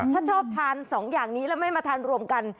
ถ้าชอบทาน๒อย่างนี้แล้วไม่มาทานรวมกัน